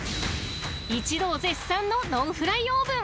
［一同絶賛のノンフライオーブン］